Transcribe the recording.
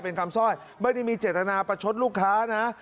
เป็นคำซ่อยไม่ได้มีเจตนาประชดลูกค้านะ